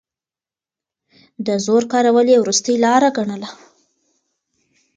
د زور کارول يې وروستۍ لاره ګڼله.